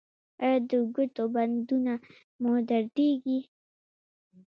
ایا د ګوتو بندونه مو دردیږي؟